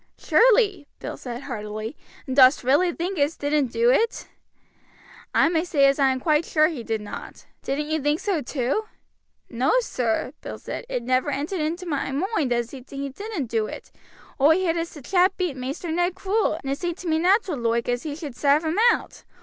"Surely," Bill said heartily; "and dost really think as he didn't do it?" "I may say I am quite sure he did not, Bill. Didn't you think so too?" "No, sir," Bill said; "it never entered my moind as he didn't do it. Oi heard as how t' chap beat Maister Ned cruel, and it seemed to me natural loike as he should sarve him out.